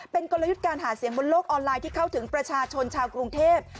เป็นกลยุทธ์การหาเสียงบนโลกออนไลน์ที่เข้าถึงประชาชนชาวกรุงเทพ